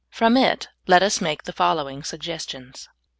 From it let us make the following suggestions : I.